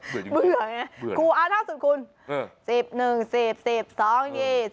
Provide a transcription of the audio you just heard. เบื่อไงคุณเอาท่องสูตรคูณ